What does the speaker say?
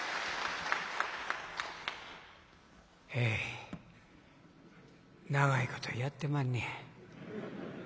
え長いことやってまんねや。